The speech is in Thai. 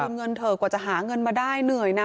เงินเถอะกว่าจะหาเงินมาได้เหนื่อยนะ